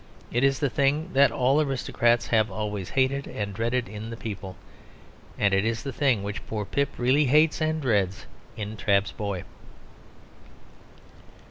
It is the thing that all aristocrats have always hated and dreaded in the people. And it is the thing which poor Pip really hates and dreads in Trabb's boy.